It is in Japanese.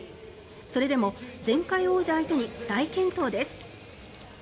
それでも前回王者相手に大健闘です。